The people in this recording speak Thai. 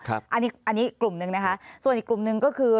อันนี้กลุ่มหนึ่งนะคะส่วนอีกกลุ่มหนึ่งก็คือ